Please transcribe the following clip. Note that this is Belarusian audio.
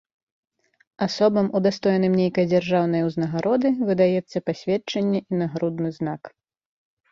Асобам, удастоеным нейкай дзяржаўнай узнагароды, выдаецца пасведчанне і нагрудны знак.